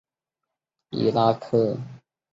由伊拉克中央银行发行。